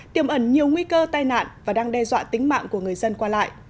tiềm ẩn nhiều nguy cơ tai nạn và đang đe dọa tính mạng của người dân qua lại